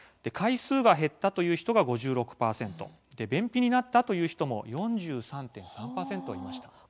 回数が減ったという人が５６％便秘になったという人も４３．３％いました。